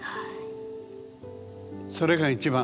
それが一番。